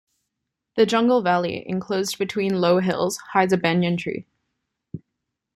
The jungle valley, enclosed between low hills, hides a banyan tree.